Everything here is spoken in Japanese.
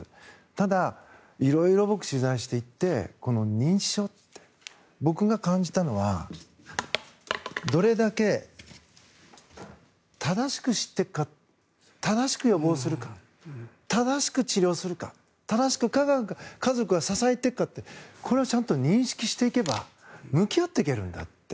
ただ、色々僕、取材していって認知症って僕が感じたのはどれだけ正しく知っていくか正しく予防するか正しく治療するか正しく家族が支えているかってこれをちゃんと認識していけば向き合っていけるんだって。